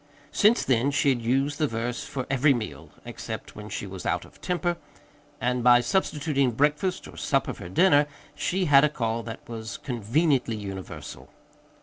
Since then she had used the verse for every meal except when she was out of temper and by substituting breakfast or supper for dinner, she had a call that was conveniently universal.